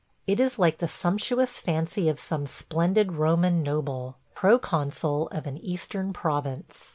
It is like the sumptuous fancy of some splendid Roman noble, pro consul of an Eastern province.